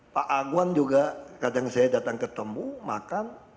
pak aguan juga kadang saya datang ketemu makan